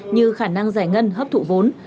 như khả năng giải ngân hấp thụ vốn